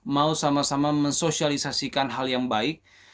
mau sama sama mensosialisasikan hal yang baik